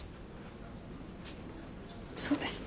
そうですね。